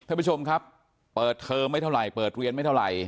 ท่านผู้ชมครับเปิดเทอมไม่เท่าไหร่เปิดเรียนไม่เท่าไหร่